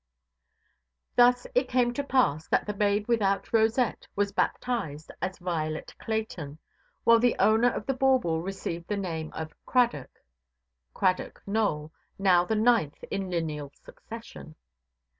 Thus it came to pass, that the babe without rosette was baptized as "Violet Clayton", while the owner of the bauble received the name of "Cradock"—Cradock Nowell, now the ninth in lineal succession.